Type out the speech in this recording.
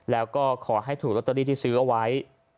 แล้วก็ขอให้ถูกลอตเตอรี่ที่ซื้อเอาไว้